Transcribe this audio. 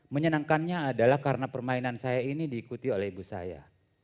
menyenangkannya adalah karena permainan saya ini diikuti oleh ibu saya